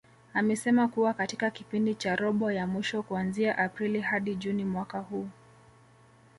Amesema kuwa katika kipindi cha robo ya mwisho kuanzia Aprili hadi Juni mwaka huu